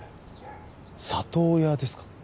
里親ですか？